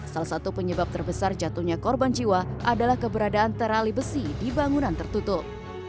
salah satu penyebab terbesar jatuhnya korban jiwa adalah keberadaan terali besi di bangunan tertutup